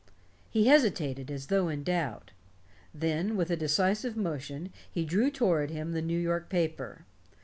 He hesitated, as though in doubt. Then, with a decisive motion, he drew toward him the New York paper.